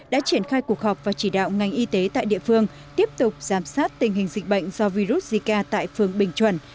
đã triển khai cuộc họp và chỉ đạo ngành y tế tại địa phương tiếp tục giám sát tình hình dịch bệnh do virus zika tại phường bình chuẩn